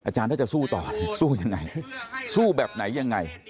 ถ้าจะสู้ต่อสู้ยังไงสู้แบบไหนยังไง